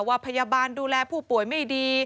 ว่าพยาบาลดูแลผู้ป่วยไม่ดี